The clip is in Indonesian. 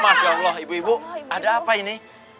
masya allah ibu ibu ada apa ini